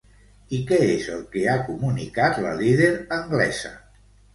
I què és el que ha comunicat la líder anglesa?